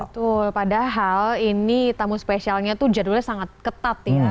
betul padahal ini tamu spesialnya itu jadwalnya sangat ketat ya